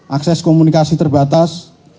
akses komunikasi terbatas